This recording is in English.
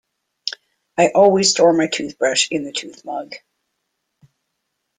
I always store my toothbrush in the toothmug.